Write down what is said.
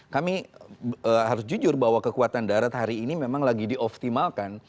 kami harus jujur bahwa kekuatan darat hari ini memang lagi dioptimalkan